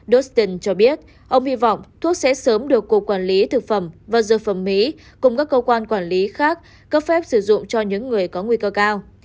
dostin cho biết ông hy vọng thuốc sẽ sớm được cục quản lý thực phẩm và dược phẩm mỹ cùng các cơ quan quản lý khác cấp phép sử dụng cho những người có nguy cơ cao